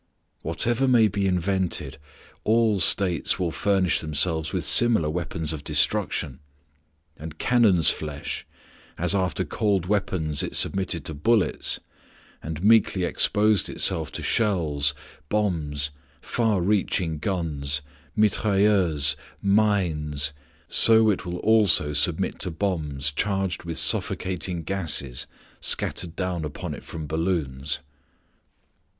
Whatever may be invented, all States will furnish themselves with similar weapons of destruction. And cannon's flesh, as after cold weapons it submitted to bullets, and meekly exposed itself to shells, bombs, far reaching guns, mitrailleuses, mines, so it will also submit to bombs charged with suffocating gases scattered down upon it from balloons.